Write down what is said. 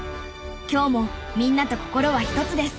今日もみんなと心は一つです。